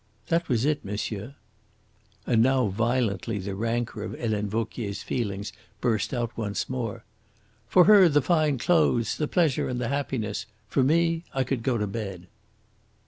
That was it monsieur." And now violently the rancour of Helene Vauquier's feelings burst out once more. "For her the fine clothes, the pleasure, and the happiness. For me I could go to bed!"